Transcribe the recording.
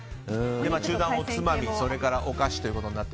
中段おつまみ、それからお菓子と。